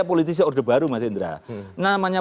politisi orde baru mas indra namanya